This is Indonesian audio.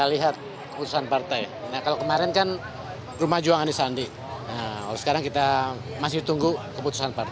memasuki masa pengilihan presidennya di dua ribu sembilan belas rumah juang diubah untuk rumah penanganan